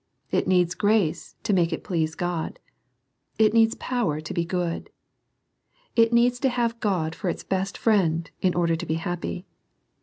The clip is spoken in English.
It needs grace to make it please God. It needs power to be good. It needs to have God for its best friend, in order to be happy.